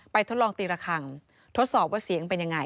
ทดลองตีละครั้งทดสอบว่าเสียงเป็นยังไง